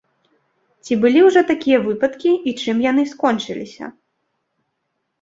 Ці былі ўжо такія выпадкі і чым яны скончыліся?